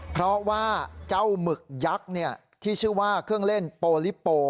เพราะว่าเจ้าหมึกยักษ์ที่ชื่อว่าเครื่องเล่นโปลิโป